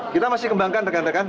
kita masih kembangkan rekan rekan